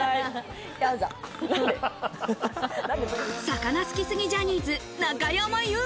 魚好きすぎジャニーズ・中山優